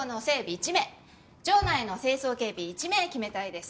１名場内の清掃警備１名決めたいです